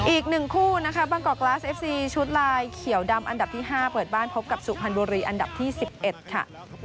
อีกหนึ่งคู่นะคะบังกอกลาสเอฟซีชุดลายเขียวดำอันดับที่ห้าเปิดบ้านพบกับสุขฮันโบรีอันดับที่สิบเอ็ดคะ